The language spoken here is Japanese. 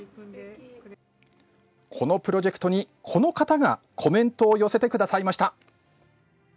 このプロジェクトに、この方がコメントを寄せてくださいました。